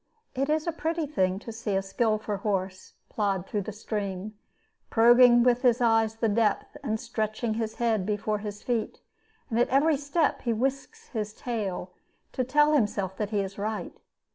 It is a pretty thing to see a skillful horse plod through a stream, probing with his eyes the depth, and stretching his head before his feet, and at every step he whisks his tail to tell himself that he is right.